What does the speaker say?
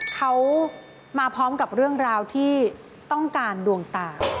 เขามาพร้อมกับเรื่องราวที่ต้องการดวงตา